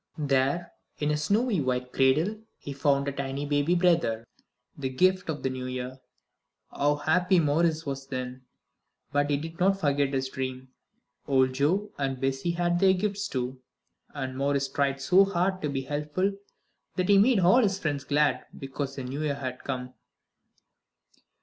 There in a snowy white cradle he found a tiny baby brother, the gift of the New Year. How happy Maurice was then! But he did not forget his dream. Old Joe and Bessie had their gifts, too, and Maurice tried so hard to be helpful that he made all his friends glad because the happy New Year had come.